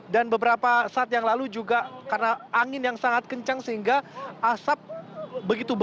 dan beberapa saat yang lalu juga karena angin yang sangat kencang sehingga asap begitu banyak